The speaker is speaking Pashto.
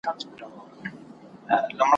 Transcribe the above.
چي خالق یو پیدا کړي پر کهاله د انسانانو ,